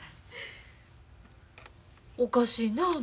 おかしいな。